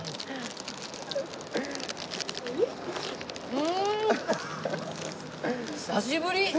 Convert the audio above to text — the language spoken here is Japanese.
うーん！久しぶり！